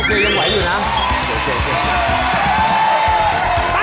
คือยังไหวอยู่นะ